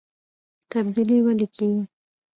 تبدیلي ولې کیږي؟